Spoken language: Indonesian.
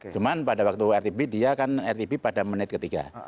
cuma pada waktu rtb dia kan rtb pada menit ketiga